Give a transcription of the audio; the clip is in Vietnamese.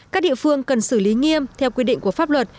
các địa phương cần xử lý nghiêm theo quy định của pháp luật